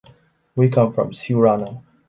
We come from Siurana.